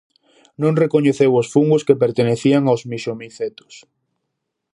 Non recoñeceu os fungos que pertencían aos mixomicetos.